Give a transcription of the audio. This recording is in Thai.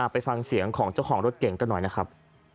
ไปฟังเสียงของเจ้าของรถเก่งกันหน่อยนะครับ